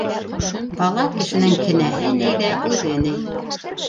Бала кешенең кенәһе ни ҙә, үҙе ни.